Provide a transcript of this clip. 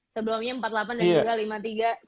sebelumnya empat puluh delapan dan juga lima puluh tiga